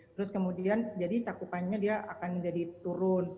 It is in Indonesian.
terus kemudian jadi cakupannya dia akan menjadi turun